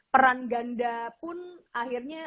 peran ganda pun akhirnya